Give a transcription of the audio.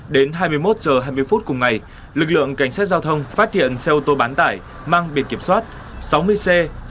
đến hai mươi một h hai mươi phút cùng ngày lực lượng cảnh sát giao thông phát hiện xe ô tô bán tải mang biệt kiểm soát sáu mươi c sáu mươi sáu nghìn bảy trăm sáu mươi